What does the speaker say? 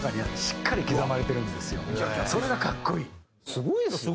すごいですよね